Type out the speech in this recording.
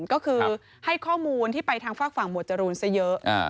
ก็คือให้ข้อมูลที่ไปทางฝากฝั่งหมวดจรูนซะเยอะ